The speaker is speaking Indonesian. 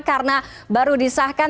karena baru disahkan